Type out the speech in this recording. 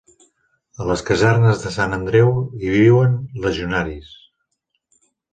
A les casernes de Sant Andreu hi viuen legionaris